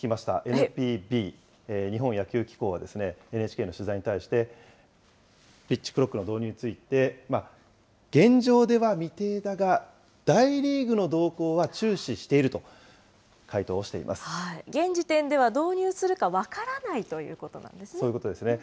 ＮＰＢ・日本野球機構はＮＨＫの取材に対して、ピッチクロックの導入について、現状では未定だが、大リーグの動向は注視していると現時点では導入するか分からそういうことですね。